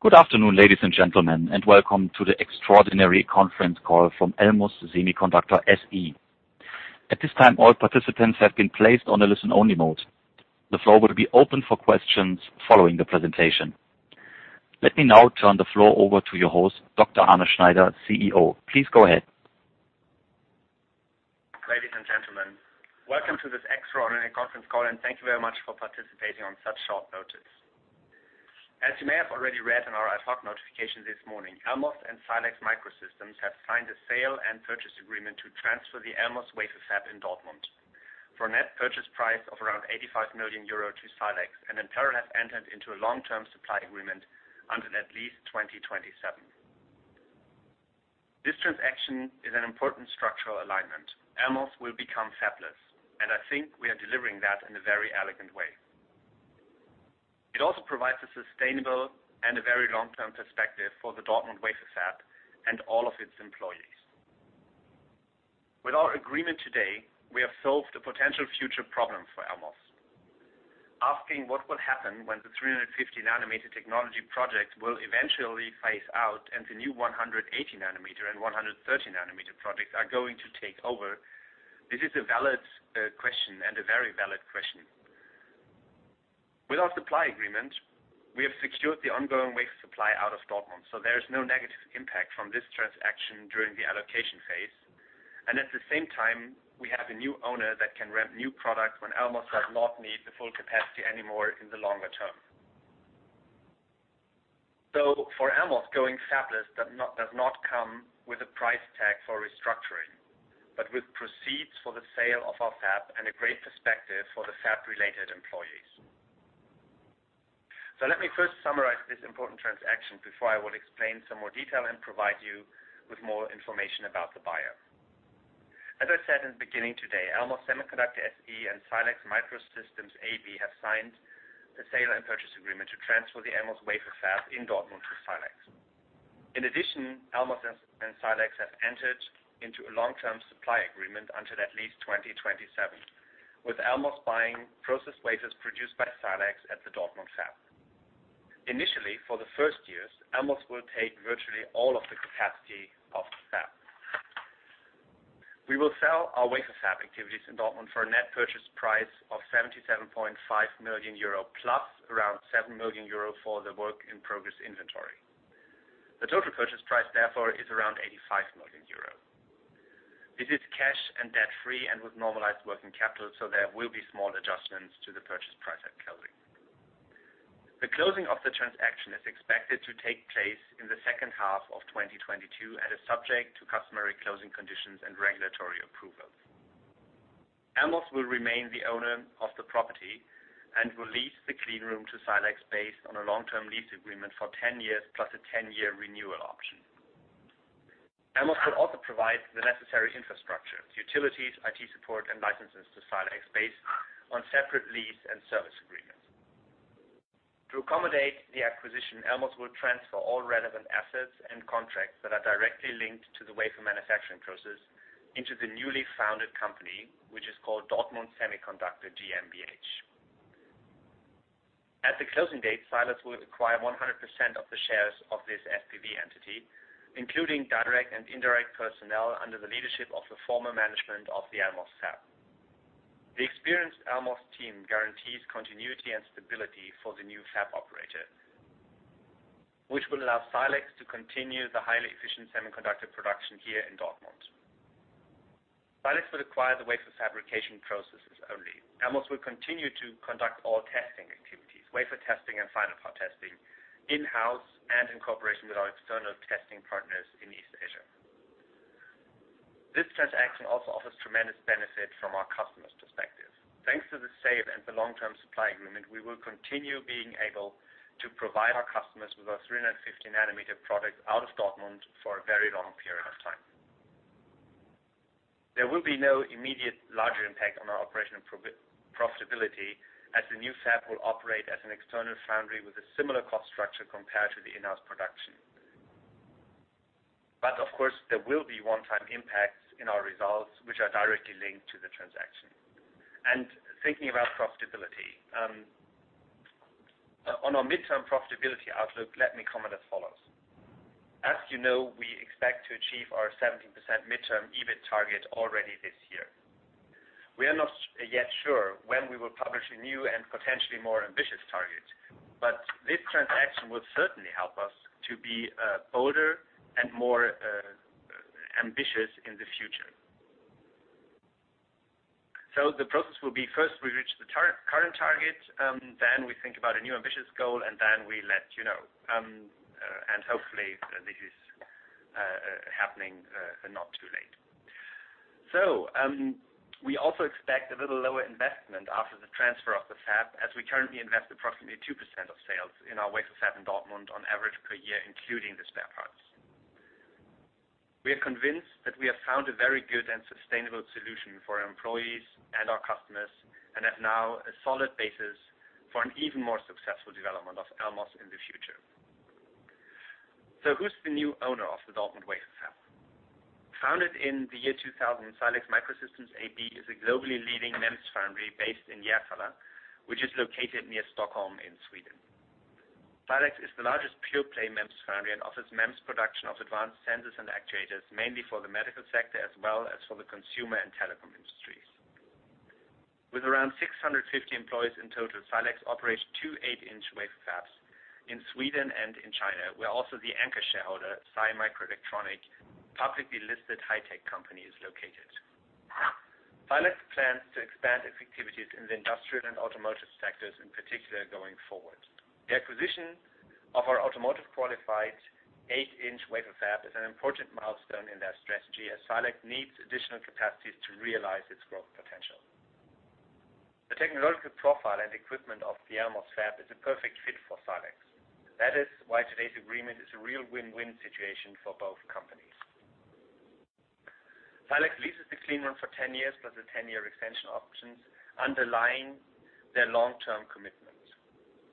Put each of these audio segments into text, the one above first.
Good afternoon, ladies and gentlemen, and welcome to the extraordinary conference call from Elmos Semiconductor SE. At this time, all participants have been placed on a listen-only mode. The floor will be open for questions following the presentation. Let me now turn the floor over to your host, Dr. Arne Schneider, CEO. Please go ahead. Ladies and gentlemen, welcome to this extraordinary conference call, and thank you very much for participating on such short notice. As you may have already read in our ad hoc notification this morning, Elmos and Silex Microsystems have signed a sale and purchase agreement to transfer the Elmos wafer fab in Dortmund for a net purchase price of around 85 million euro to Silex, and in parallel have entered into a long-term supply agreement until at least 2027. This transaction is an important structural alignment. Elmos will become fabless, and I think we are delivering that in a very elegant way. It also provides a sustainable and a very long-term perspective for the Dortmund wafer fab and all of its employees. With our agreement today, we have solved a potential future problem for Elmos. Asking what will happen when the 350 nanometer technology project will eventually phase out and the new 180 nanometer and 130 nanometer projects are going to take over. This is a valid question and a very valid question. With our supply agreement, we have secured the ongoing wafer supply out of Dortmund, so there is no negative impact from this transaction during the allocation phase. At the same time, we have a new owner that can ramp new product when Elmos does not need the full capacity anymore in the longer term. For Elmos, going fabless does not come with a price tag for restructuring, but with proceeds for the sale of our fab and a great perspective for the fab-related employees. Let me first summarize this important transaction before I will explain some more detail and provide you with more information about the buyer. As I said in the beginning today, Elmos Semiconductor SE and Silex Microsystems AB have signed the sale and purchase agreement to transfer the Elmos wafer fab in Dortmund to Silex. In addition, Elmos and Silex have entered into a long-term supply agreement until at least 2027, with Elmos buying process wafers produced by Silex at the Dortmund fab. Initially, for the first years, Elmos will take virtually all of the capacity of the fab. We will sell our wafer fab activities in Dortmund for a net purchase price of 77.5 million euro, plus around 7 million euro for the work in progress inventory. The total purchase price therefore is around 85 million euro. This is cash and debt-free and with normalized working capital, so there will be small adjustments to the purchase price at closing. The closing of the transaction is expected to take place in the second half of 2022 and is subject to customary closing conditions and regulatory approvals. Elmos will remain the owner of the property and will lease the clean room to Silex based on a long-term lease agreement for 10 years plus a 10-year renewal option. Elmos will also provide the necessary infrastructure, utilities, IT support and licenses to Silex based on separate lease and service agreements. To accommodate the acquisition, Elmos will transfer all relevant assets and contracts that are directly linked to the wafer manufacturing process into the newly founded company, which is called Dortmund Semiconductor GmbH. At the closing date, Silex will acquire 100% of the shares of this SPV entity, including direct and indirect personnel under the leadership of the former management of the Elmos fab. The experienced Elmos team guarantees continuity and stability for the new fab operator, which will allow Silex to continue the highly efficient semiconductor production here in Dortmund. Silex will acquire the wafer fabrication processes only. Elmos will continue to conduct all testing activities, wafer testing and final part testing in-house and in cooperation with our external testing partners in East Asia. This transaction also offers tremendous benefit from our customers' perspective. Thanks to the safe and the long-term supply agreement, we will continue being able to provide our customers with our 350-nanometer products out of Dortmund for a very long period of time. There will be no immediate larger impact on our operational profitability, as the new fab will operate as an external foundry with a similar cost structure compared to the in-house production. Of course, there will be one-time impacts in our results which are directly linked to the transaction. Thinking about profitability, on our midterm profitability outlook, let me comment as follows. As you know, we expect to achieve our 17% midterm EBIT target already this year. We are not yet sure when we will publish a new and potentially more ambitious target, but this transaction will certainly help us to be bolder and more ambitious in the future. The process will be first we reach the current target, then we think about a new ambitious goal, and then we let you know. Hopefully this is happening not too late. We also expect a little lower investment after the transfer of the fab as we currently invest approximately 2% of sales in our wafer fab in Dortmund on average per year, including the spare parts. We are convinced that we have found a very good and sustainable solution for our employees and our customers and have now a solid basis for an even more successful development of Elmos in the future. Who's the new owner of the Dortmund wafer fab? Founded in the year 2000, Silex Microsystems AB is a globally leading MEMS foundry based in Järfälla, which is located near Stockholm in Sweden. Silex is the largest pure-play MEMS foundry and offers MEMS production of advanced sensors and actuators, mainly for the medical sector, as well as for the consumer and telecom industries. With around 650 employees in total, Silex operates two-eight inch wafer fabs in Sweden and in China, where also the anchor shareholder, Sai MicroElectronics, publicly listed high-tech company is located. Silex plans to expand its activities in the industrial and automotive sectors, in particular, going forward. The acquisition of our automotive-qualified eight-inch wafer fab is an important milestone in their strategy, as Silex needs additional capacities to realize its growth potential. The technological profile and equipment of the Elmos fab is a perfect fit for Silex. That is why today's agreement is a real win-win situation for both companies. Silex leases the cleanroom for 10 years, plus a 10-year extension options underlying their long-term commitment.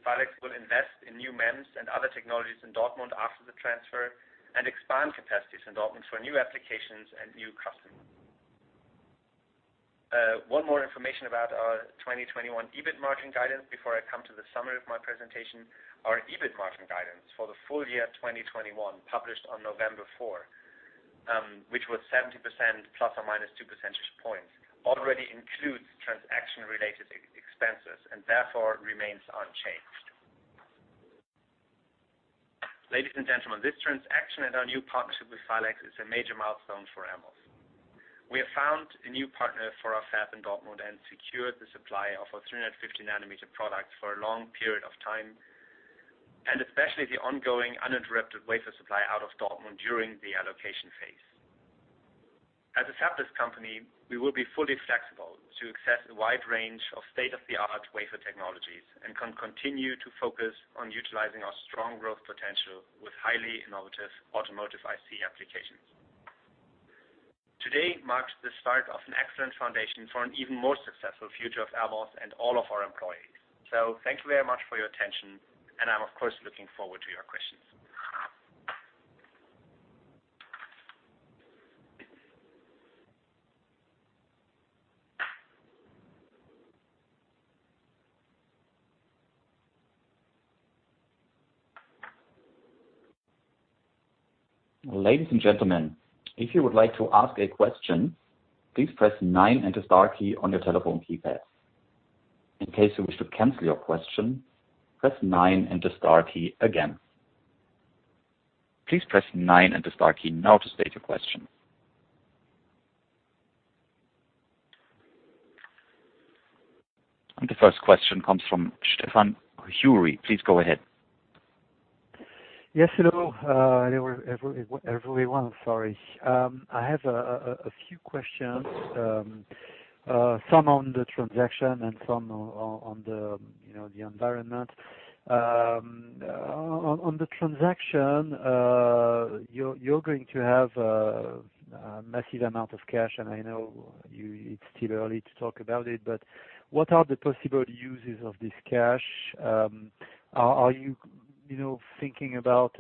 Silex will invest in new MEMS and other technologies in Dortmund after the transfer and expand capacities in Dortmund for new applications and new customers. One more information about our 2021 EBIT margin guidance before I come to the summary of my presentation. Our EBIT margin guidance for the full year 2021, published on November 4, which was 70% percentage points, already includes transaction-related expenses, and therefore remains unchanged. Ladies and gentlemen, this transaction and our new partnership with Silex is a major milestone for Elmos. We have found a new partner for our fab in Dortmund and secured the supply of our 350 nanometer products for a long period of time, and especially the ongoing uninterrupted wafer supply out of Dortmund during the allocation phase. As a fabless company, we will be fully flexible to access a wide range of state-of-the-art wafer technologies and can continue to focus on utilizing our strong growth potential with highly innovative automotive IC applications. Today marks the start of an excellent foundation for an even more successful future of Elmos and all of our employees. Thank you very much for your attention, and I'm, of course, looking forward to your questions. Ladies and gentlemen, if you would like to ask a question, please press nine and the star key on your telephone keypad. In case you wish to cancel your question, press nine and the star key again. Please press nine and the star key now to state your question. The first question comes from Stefan Jury please go ahead. Yes, hello. Everyone. Sorry. I have a few questions, some on the transaction and some on the, you know, the environment. On the transaction, you're going to have a massive amount of cash, and I know it's still early to talk about it, but what are the possible uses of this cash? Are you know, thinking about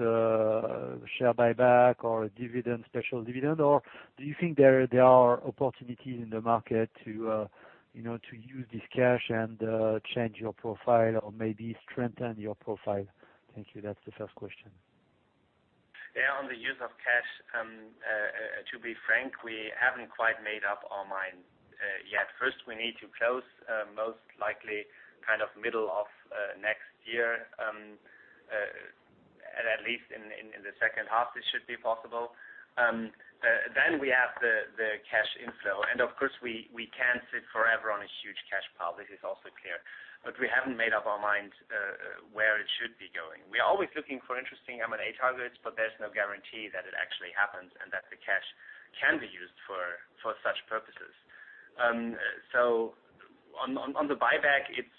share buyback or dividend, special dividend? Or do you think there are opportunities in the market to, you know, to use this cash and change your profile or maybe strengthen your profile? Thank you. That's the first question. Yeah, on the use of cash, to be frank, we haven't quite made up our mind yet. First, we need to close, most likely kind of middle of next year, at least in the second half; this should be possible. We have the cash inflow, and of course, we can't sit forever on a huge cash pile. This is also clear, but we haven't made up our mind where it should be going. We're always looking for interesting M&A targets, but there's no guarantee that it actually happens and that the cash can be used for such purposes. On the buyback, it's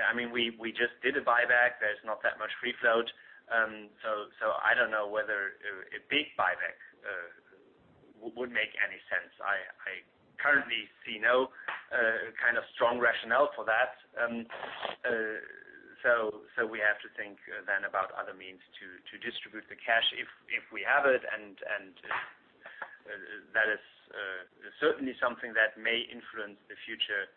I mean, we just did a buyback. There's not that much free float. I don't know whether a big buyback would make any sense. I currently see no kind of strong rationale for that. We have to think then about other means to distribute the cash if we have it, and that is certainly something that may influence the future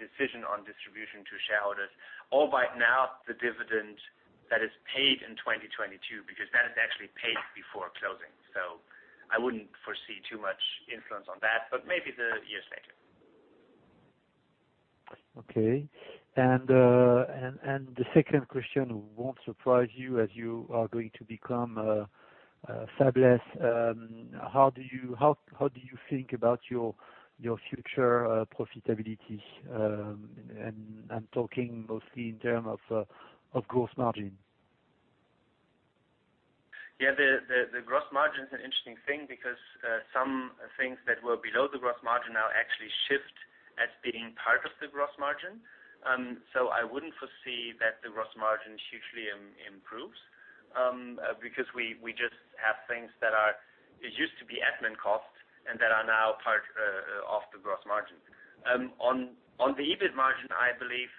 decision on distribution to shareholders or by now, the dividend that is paid in 2022, because that is actually paid before closing. I wouldn't foresee too much influence on that, but maybe the years later. Okay. The second question won't surprise you as you are going to become fabless. How do you think about your future profitability? I'm talking mostly in terms of gross margin. Yeah. The gross margin is an interesting thing because some things that were below the gross margin now actually shift as being part of the gross margin. So I wouldn't foresee that the gross margin hugely improves because we just have things that are. It used to be admin costs and that are now part of the gross margin. On the EBIT margin, I believe,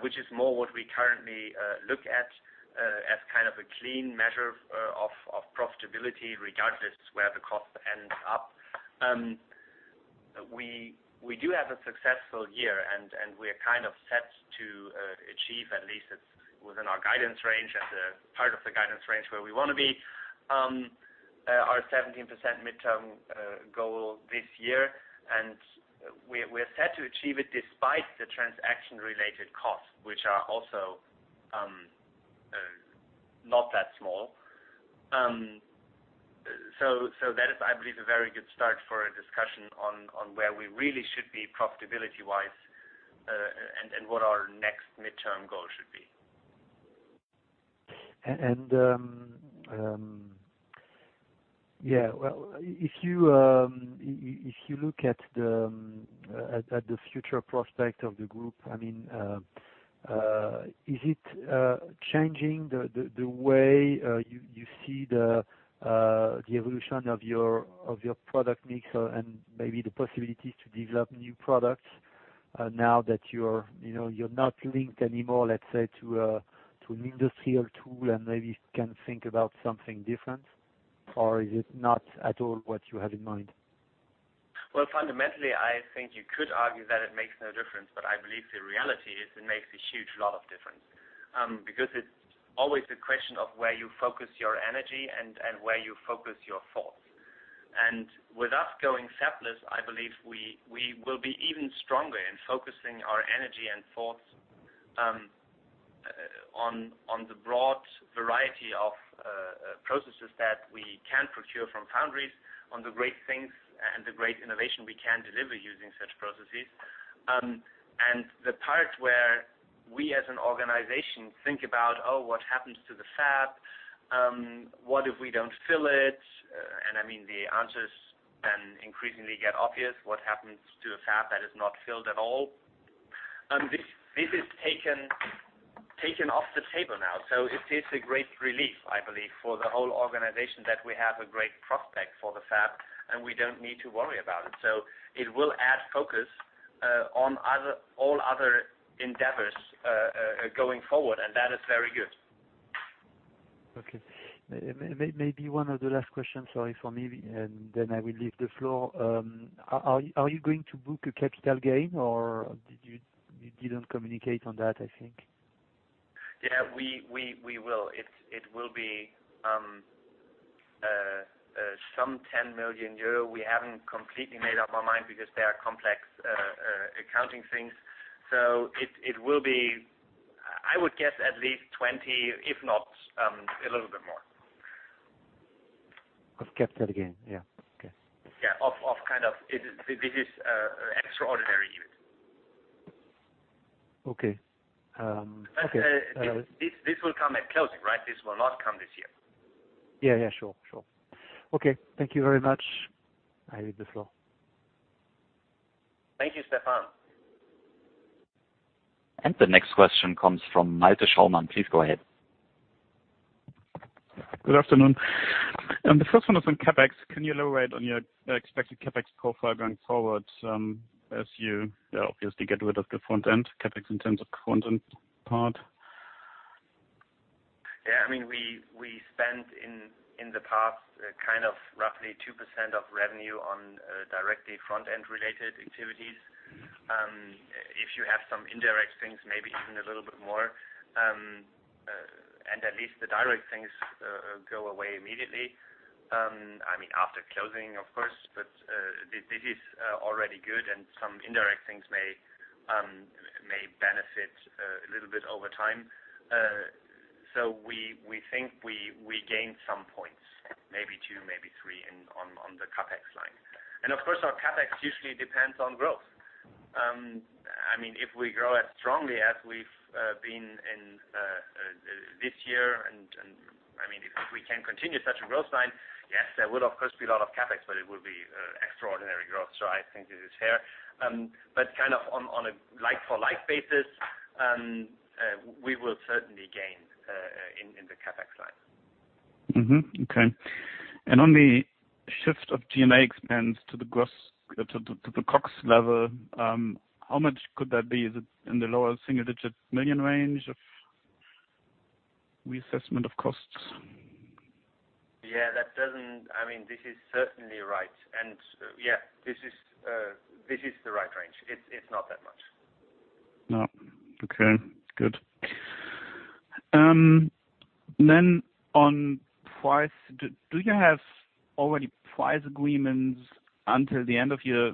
which is more what we currently look at as kind of a clean measure of profitability regardless where the cost ends up. We do have a successful year, and we're kind of set to achieve at least. It's within our guidance range as a part of the guidance range where we wanna be our 17% mid-term goal this year. We're set to achieve it despite the transaction-related costs, which are also not that small. So that is, I believe, a very good start for a discussion on where we really should be profitability-wise, and what our next midterm goal should be. Yeah. Well, if you look at the future prospect of the group, I mean, is it changing the way you see the evolution of your product mix and maybe the possibilities to develop new products, now that you're, you know, you're not linked anymore, let's say, to an industrial tool and maybe can think about something different? Or is it not at all what you have in mind? Well, fundamentally, I think you could argue that it makes no difference. I believe the reality is it makes a huge lot of difference. Because it's always a question of where you focus your energy and where you focus your thoughts. With us going fabless, I believe we will be even stronger in focusing our energy and thoughts on the broad variety of processes that we can procure from foundries on the great things and the great innovation we can deliver using such processes. The part where we, as an organization, think about, oh, what happens to the fab? What if we don't fill it? I mean, the answers can increasingly get obvious. What happens to a fab that is not filled at all? This is taken off the table now, so it is a great relief, I believe, for the whole organization, that we have a great prospect for the fab, and we don't need to worry about it. It will add focus on all other endeavors going forward, and that is very good. Okay. Maybe one of the last questions, sorry from me, and then I will leave the floor. Are you going to book a capital gain, or did you? You didn't communicate on that, I think. Yeah, we will. It will be 10 million euro. We haven't completely made up our mind because there are complex accounting things. It will be, I would guess at least 20 million, if not a little bit more. Of capital gain? Yeah. Okay. Yeah. This is extraordinary use. Okay. This will come at closing, right? This will not come this year. Yeah. Sure. Okay. Thank you very much. I leave the floor. Thank you, Stefan Jury. The next question comes from Malte Schaumann. Please go ahead. Good afternoon. The first one is on CapEx. Can you elaborate on your expected CapEx profile going forward, as you obviously get rid of the front-end CapEx in terms of front-end part? Yeah, I mean, we spent in the past kind of roughly 2% of revenue on directly front-end related activities. If you have some indirect things, maybe even a little bit more, and at least the direct things go away immediately, I mean, after closing, of course. This is already good, and some indirect things may benefit a little bit over time. We think we gain some points, maybe 2, maybe 3 on the CapEx line. Of course, our CapEx usually depends on growth. I mean, if we grow as strongly as we've been in this year, and I mean, if we can continue such a growth line, yes, there will of course be a lot of CapEx, but it will be extraordinary growth. I think it is fair. Kind of on a like for like basis, we will certainly gain in the CapEx line. Okay. On the shift of G&A expense to the COGS level, how much could that be? Is it in the lower single-digit million range of reassessment of costs? I mean, this is certainly right. Yeah, this is the right range. It's not that much. No. Okay, good. On price, do you have already price agreements until the end of your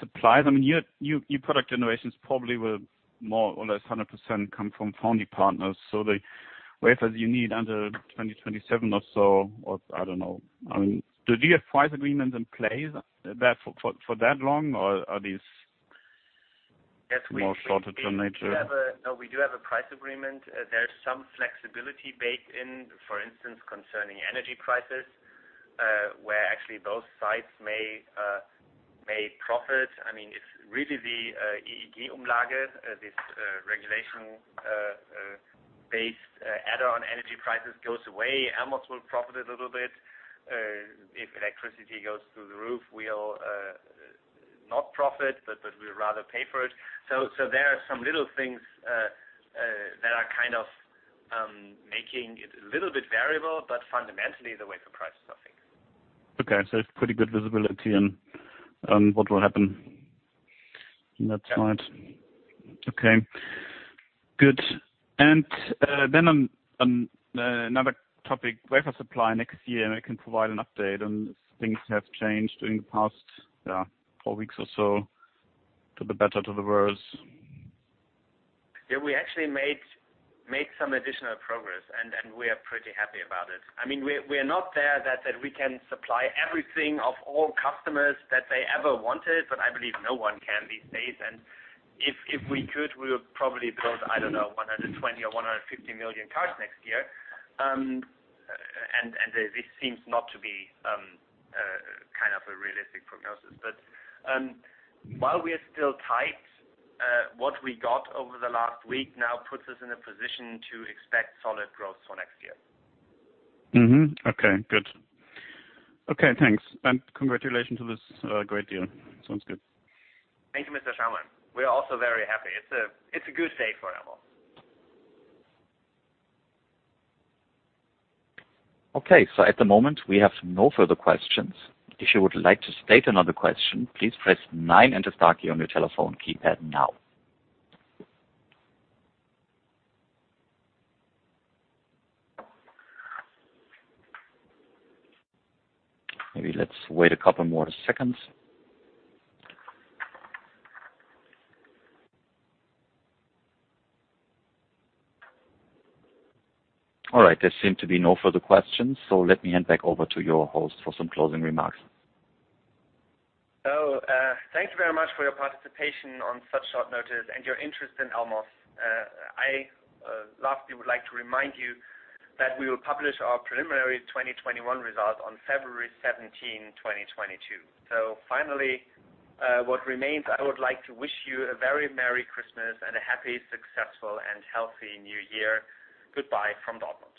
supply? I mean, your product innovations probably will more or less 100% come from foundry partners. The wafers you need under 2027 or so, or I don't know. I mean, do you have price agreements in place that for that long, or are these- Yes, we. More short-term nature? We do have a price agreement. There's some flexibility baked in, for instance, concerning energy prices, where actually both sides may make profit. I mean, it's really the EEG-Umlage, this regulation-based add-on energy prices goes away. Elmos will profit a little bit. If electricity goes through the roof, we'll not profit, but we'll rather pay for it. There are some little things that are kind of making it a little bit variable, but fundamentally, the way the price is nothing. Okay. It's pretty good visibility on what will happen. That's right. Okay, good. On another topic, wafer supply next year, and I can provide an update on things have changed in the past, yeah, four weeks or so, to the better, to the worse. Yeah, we actually made some additional progress, and we are pretty happy about it. I mean, we're not there that we can supply everything of all customers that they ever wanted, but I believe no one can these days. If we could, we would probably build, I don't know, 120 or 150 million cars next year. This seems not to be kind of a realistic prognosis. While we are still tight, what we got over the last week now puts us in a position to expect solid growth for next year. Mm-hmm. Okay, good. Okay, thanks. Congratulations on this great deal. Sounds good. Thank you, Mr. Schaumann. We are also very happy. It's a good day for Elmos. Okay. At the moment, we have no further questions. If you would like to state another question, please press 9 enter star key on your telephone keypad now. Maybe let's wait a couple more seconds. All right. There seem to be no further questions, so let me hand back over to your host for some closing remarks. Thank you very much for your participation on such short notice and your interest in Elmos. I lastly would like to remind you that we will publish our preliminary 2021 results on February 17, 2022. Finally, what remains, I would like to wish you a very merry Christmas and a happy, successful and healthy New Year. Goodbye from Dortmund.